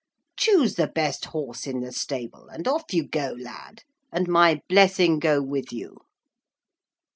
Choose the best horse in the stable, and off you go, lad, and my blessing go with you.'